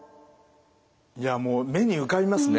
いやもう目に浮かびますね。